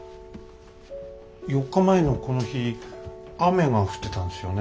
４日前のこの日雨が降ってたんですよね。